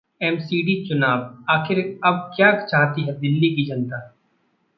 MCD चुनाव: आखिर अब क्या चाहती है दिल्ली की जनता